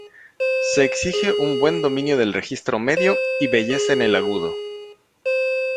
Se exige un buen dominio del registro medio y belleza en el agudo.